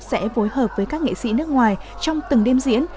sẽ phối hợp với các nghệ sĩ nước ngoài trong từng đêm diễn